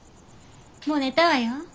もう寝たわよ。